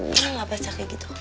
nggak baca kayak gitu